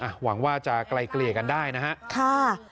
หวังว่าจะไกลเกลี่ยกันได้นะฮะค่ะ